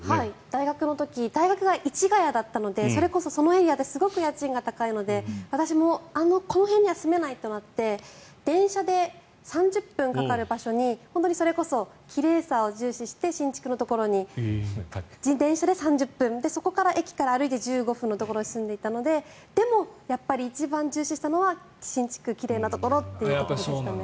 大学の時に大学が市ケ谷だったのでそれこそ、そのエリアってすごく家賃が高いので私もこの辺には住めないとなって電車で３０分かかる場所にそれこそ奇麗さを重視して新築のところに自転車で３０分そこから駅から歩いて１５分のところに住んでいたのででも、やっぱり一番重視したのは新築、奇麗なところというところでしたね。